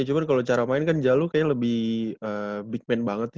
iya cuman kalau cara main kan jalu kayaknya lebih big man banget nih